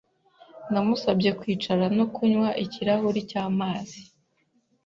Namusabye kwicara no kunywa ikirahuri cy'amazi.